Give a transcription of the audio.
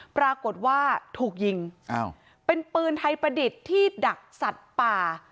ปรากฏว่าถูกยิงเป็นปืนไทยประดิษฐ์ที่ดักสัตว์ป่า